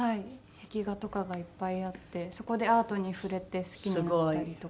壁画とかがいっぱいあってそこでアートに触れて好きになったりとか。